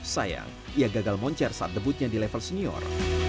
sayang ia gagal moncer saat debutnya di level senior